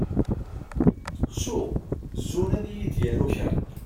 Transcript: Ittuɣ zun di d-yaru kra.